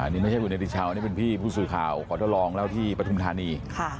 นี่ไม่ใช่คุณเนติชาวนี่เป็นพี่ผู้สื่อข่าวขอทดลองแล้วที่ปฐุมธานี